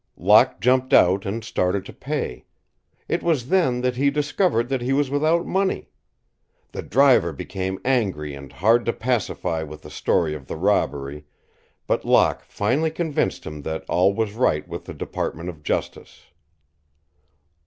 Locke jumped out and started to pay. It was then that he discovered that he was without money. The driver became angry and hard to pacify with the story of the robbery, but Locke finally convinced him that all was right with the Department of Justice.